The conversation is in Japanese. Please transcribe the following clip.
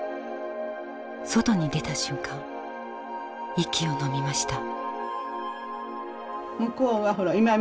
外に出た瞬間息をのみました。